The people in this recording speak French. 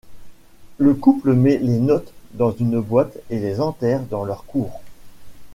Le couple met les notes dans une boîte et les enterrent dans leur cour.